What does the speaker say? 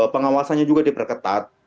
pengawasannya juga diperketat